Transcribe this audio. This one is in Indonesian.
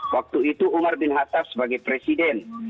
waktu itu umar bin hattaf sebagai presiden